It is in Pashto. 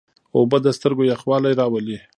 اوبه د سترګو یخوالی راولي.